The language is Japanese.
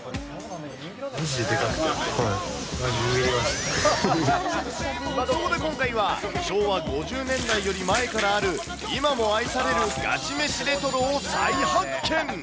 まじででかくて、まじ、そこで今回は、昭和５０年代より前からある今も愛されるガチ飯レトロを再発見！